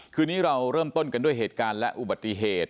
คืนนี้เราเริ่มต้นกันด้วยเหตุการณ์และอุบัติเหตุ